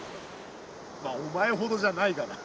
まあお前ほどじゃないがな。